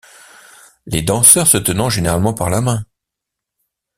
Les danseurs se tenant généralement par la main.